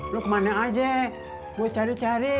lu ke mana aja gue cari cari